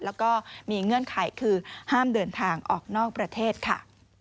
แล้วก็มีเงื่อนไขคือห้ามเดินทางออกนอกประเทศค่ะ